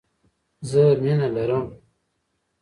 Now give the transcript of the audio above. زه مینه لرم.